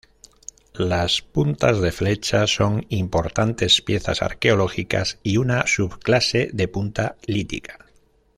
Las puntas de flecha son importantes piezas arqueológicas y una subclase de punta lítica.